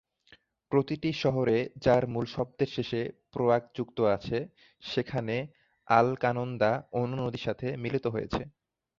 প্রতিটি শহরে যার মূল শব্দের শেষে প্রয়াগ যুক্ত আছে, সেখানে অলকানন্দা অন্য নদীর সাথে মিলিত হয়েছে।